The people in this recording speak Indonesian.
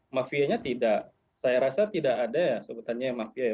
mafianya tidak saya rasa tidak ada sebutannya mafia ya